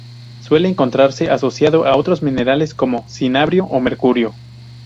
Suele encontrarse asociado a otros minerales como: cinabrio o mercurio.